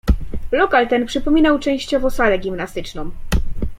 "Lokal ten przypominał częściowo salę gimnastyczną."